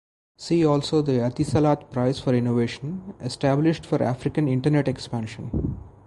See also the Etisalat Prize for Innovation, established for African Internet expansion.